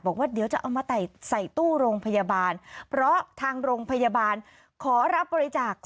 บอกว่าเดี๋ยวจะเอามาใส่ตู้โรงพยาบาลเพราะทางโรงพยาบาลขอรับบริจาค